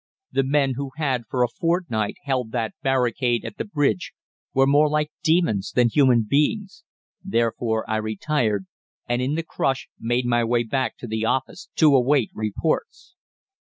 "The men who had for a fortnight held that barricade at the bridge were more like demons than human beings; therefore I retired, and in the crush made my way back to the office to await reports.